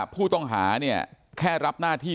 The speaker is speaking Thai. ผู้ต้องหาแค่รับหน้าที่